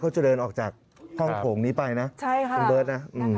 เขาจะเดินออกจากห้องโถงนี้ไปนะคุณเบิร์ตนะ